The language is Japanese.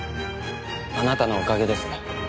あなたのおかげです。